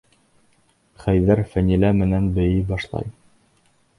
Хәйҙәр Фәнилә менән бейей башлай.